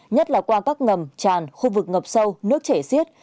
nhất là qua các ngầm tràn khu vực ngập sâu nước chảy xiết